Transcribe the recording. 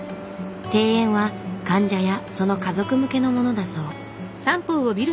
庭園は患者やその家族向けのものだそう。